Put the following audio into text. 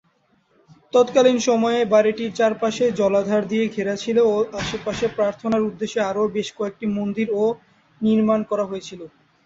তৎকালীন সময়ে বাড়িটির চারপাশে জলাধার দিয়ে ঘেরা ছিলো ও আশেপাশে প্রার্থনার উদ্দেশ্যে আরও বেশ কয়েকটি মন্দিরও নির্মাণ করা হয়েছিলো।